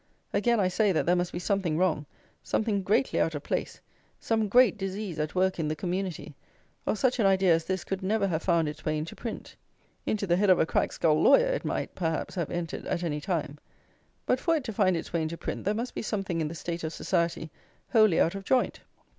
Again I say that there must be something wrong, something greatly out of place, some great disease at work in the community, or such an idea as this could never have found its way into print. Into the head of a cracked skull lawyer it might, perhaps, have entered at any time; but for it to find its way into print there must be something in the state of society wholly out of joint.